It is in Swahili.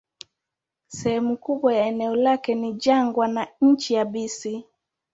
Sehemu kubwa ya eneo lake ni jangwa na nchi yabisi.